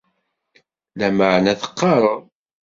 Lameɛna teqqareḍ.